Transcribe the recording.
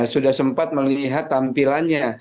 sudah sempat melihat tampilannya